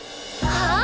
はあ！？